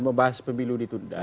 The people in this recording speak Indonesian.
membahas pemilu ditunda